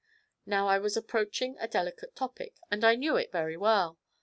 Now I was approaching a delicate topic, and I knew it very well.